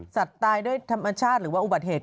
ตายด้วยธรรมชาติหรือว่าอุบัติเหตุ